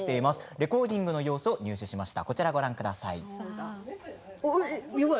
レコーディングの様子を入手しました。